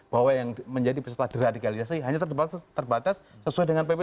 bahwa yang menjadi peserta deradikalisasi hanya terbatas sesuai dengan pp tujuh puluh tujuh